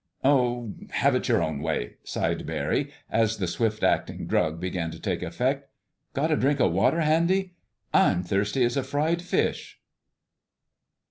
"Oh, have it your own way," sighed Barry, as the swift acting drug began to take effect. "Got a drink of water handy? I'm thirsty as a fried fish."